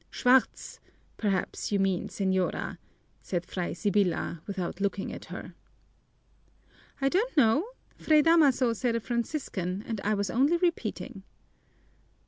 "Schwartz, perhaps you mean, señora," said Fray Sibyla, without looking at her. "I don't know. Fray Damaso said a Franciscan and I was only repeating."